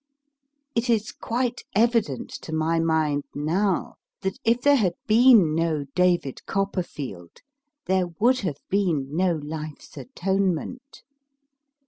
It is quite evident to my mind now that if there had been no * David Copperfield there would have been no Life s Atonement.